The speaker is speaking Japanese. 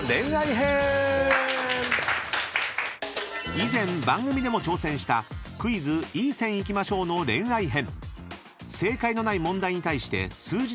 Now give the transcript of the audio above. ［以前番組でも挑戦したクイズいいセン行きまＳＨＯＷ！の恋愛編］